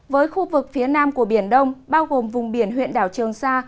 với khu vực phía nam của biển đông bao gồm vùng biển huyện đảo trường sa